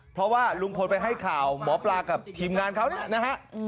เพราะว่าลุงพลไปให้ข่าวหมอปลากับทีมงานเขาเนี่ยนะฮะ